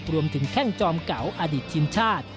รวมถึงแค่งจอมเก๋าอดิษฐ์ชีมชาติ